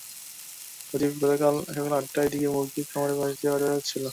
সজীব গতকাল সকাল আটটার দিকে মুরগির খামারের পাশ দিয়ে বাজারে যাচ্ছিল।